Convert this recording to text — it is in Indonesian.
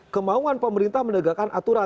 kemauan pemerintah menegakkan aturan